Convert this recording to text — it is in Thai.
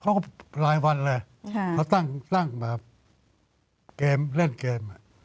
เขาก็รายวันแหละเขาตั้งแบบเกมเล่นเกม